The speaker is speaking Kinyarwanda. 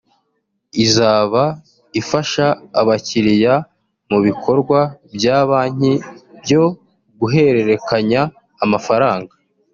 Izaba ifasha abakiriya mu bikorwa bya banki byo guhererekanya amafaranga